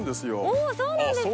あっそうなんですか